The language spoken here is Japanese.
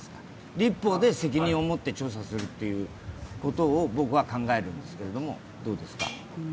立法で責任をもって調査するということを、僕は考えるんですけれども、どうですか？